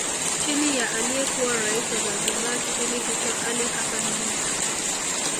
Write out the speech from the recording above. Chini ya aliyekuwa Rais wa Zanzibar kipindi hicho Ali Hassani Mwinyi